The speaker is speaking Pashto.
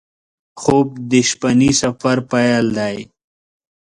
خوب د شپهني سفر پیل دی